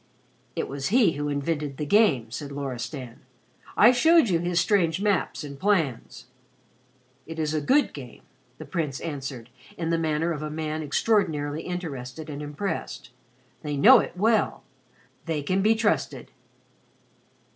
"It was he who invented 'the game,'" said Loristan. "I showed you his strange maps and plans." "It is a good game," the Prince answered in the manner of a man extraordinarily interested and impressed. "They know it well. They can be trusted."